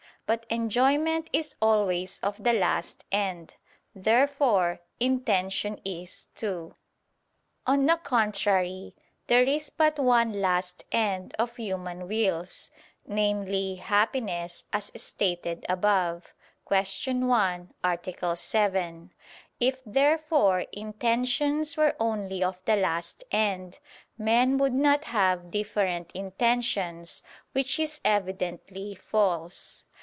But enjoyment is always of the last end. Therefore intention is too. On the contrary, There is but one last end of human wills, viz. Happiness, as stated above (Q. 1, A. 7). If, therefore, intentions were only of the last end, men would not have different intentions: which is evidently false.